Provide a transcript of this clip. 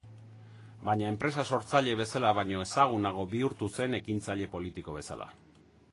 Baina enpresa-sortzaile bezala baino ezagunago bihurtu zen ekintzaile politiko bezala.